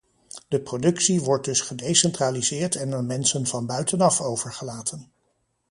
De productie wordt dus gedecentraliseerd en aan mensen van buitenaf overgelaten.